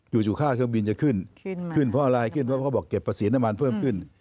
อยู่ค่าเครื่องบินจะขึ้นขึ้นเพราะอะไรขึ้นเพราะเขาบอกเก็บภาษีน้ำมันเพิ่มขึ้น